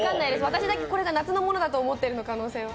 私だけこれが夏のものだと思っている可能性は。